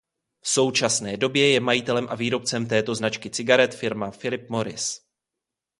V současné době je majitelem a výrobcem této značky cigaret firma Philip Morris.